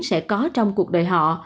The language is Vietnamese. sẽ có trong cuộc đời họ